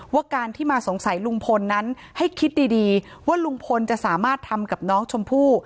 ว่าการที่มาสงสัยลุงพลนั้นให้คิดดีว่าลุงพลจะสามารถทำกับน้องชมพู่